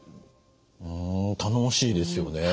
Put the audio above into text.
頼もしいですよね。